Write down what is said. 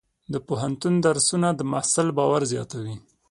د پوهنتون درسونه د محصل باور زیاتوي.